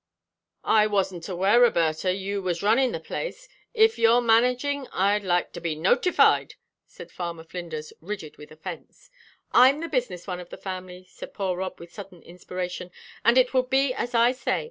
"I wasn't aware, Roberta, you was runnin' the place. If you're managin', I'd like to be notified," said Farmer Flinders, rigid with offence. "I'm the business one of the family," said poor Rob, with sudden inspiration, "and it will be as I say.